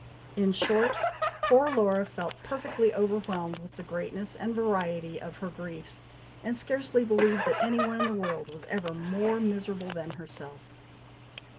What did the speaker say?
In short, poor Laura felt perfectly overwhelmed with the greatness and variety of her griefs, and scarcely believed that any one in the world was ever more miserable than herself.